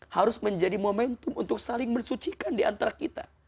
harus menjadi momentum untuk saling bersucikan diantara orang tua